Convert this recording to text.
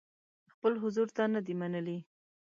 خپل حضور ته نه دي منلي.